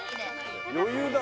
余裕だ。